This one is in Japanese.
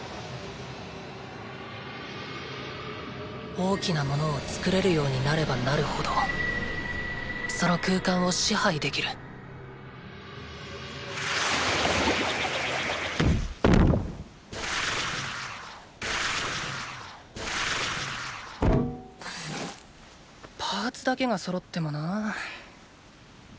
大きな物を作れるようになればなるほどその空間を支配できるパーツだけがそろってもな。